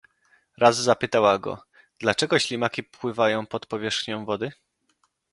"Raz zapytała go: dlaczego ślimaki pływają pod powierzchnią wody?"